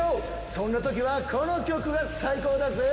そんな時はこの曲が最高だぜ！